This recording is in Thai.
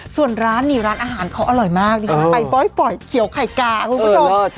ส่วนร้านนี่ร้านอาหารเขาอร่อยมากดิฉันไปบ่อยเขียวไข่กาคุณผู้ชม